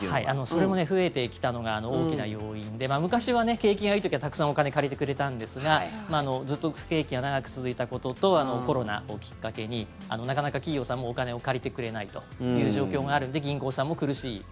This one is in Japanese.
それも増えてきたのが大きな要因で昔は、景気がいい時はたくさんお金借りてくれたんですがずっと不景気が長く続いたこととコロナをきっかけになかなか企業さんもお金を借りてくれないという状況があるので銀行さんも苦しい。